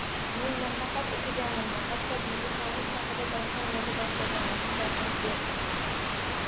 Men nafaqat o’qiganimni, hatto Bibixonim haqida doston yoza boshlaganimni gapirib berdim.